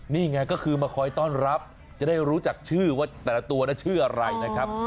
นี่ไงก็คือมาคอยต้อนรับจะได้รู้จักชื่อว่าแต่ละตัวชื่ออะไรนะครับ